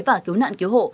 và cứu nạn cứu hộ